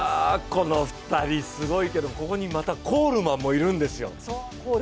この２人、すごいけど、ここにまたコールマンもいるんですよ。